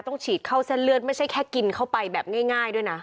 ฉีดเข้าเส้นเลือดไม่ใช่แค่กินเข้าไปแบบง่ายด้วยนะ